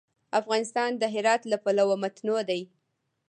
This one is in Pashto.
افغانستان د هرات له پلوه متنوع دی.